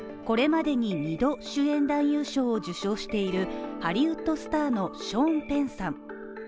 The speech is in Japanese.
これまでに２度、主演男優賞を受賞しているハリウッドスターのショーン・ペンさん。